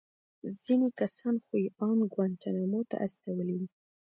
ځينې کسان خو يې ان گوانټانامو ته استولي وو.